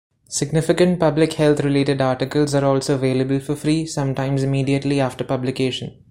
Significant public-health related articles are also available for free, sometimes immediately after publication.